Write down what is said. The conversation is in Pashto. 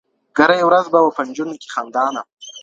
کرۍ ورځ به وه په نجونو کي خندانه.